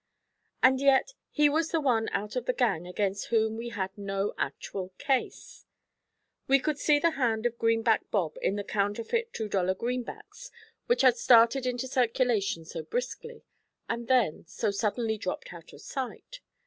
And yet he was the one out of the gang against whom we had no actual case. We could see the hand of Greenback Bob in the counterfeit two dollar greenbacks which had started into circulation so briskly, and then so suddenly dropped out of sight.